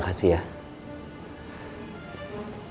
pasti akan tupai